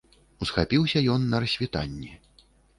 Усхапіўся ён на рассвітанні.